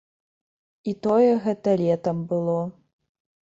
І тое, гэта летам было.